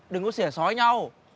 đừng có xẻ sói nhau